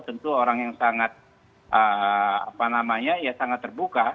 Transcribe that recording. tentu orang yang sangat terbuka